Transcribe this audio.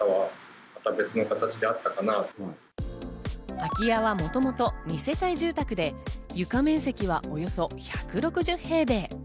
空き家はもともと二世帯住宅で床面積はおよそ１６０平米。